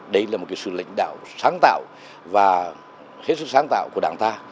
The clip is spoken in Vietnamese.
đây là một sự lãnh đạo sáng tạo và hết sức sáng tạo của đảng ta